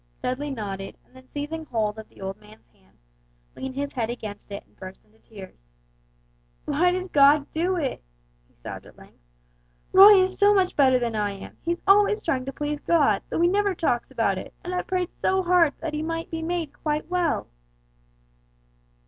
Dudley nodded and then seizing hold of the old man's hand, leaned his head against it and burst into tears. "Why does God do it!" he sobbed at length, "Roy is so much better than I am, he's always trying to please God, though he never talks about it, and I've prayed so hard that he might be made quite well!"